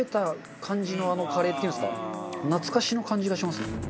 懐かしの感じがしますね。